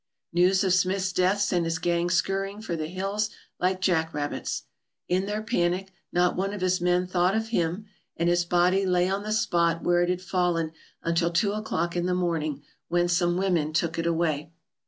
News of Smith's death sent his gang scurrying for the hills like jack rabbits. In their panic not one of his men thought of him and his body lay on the spot where it had fallen until two o'clock in the morning, when some women took it away.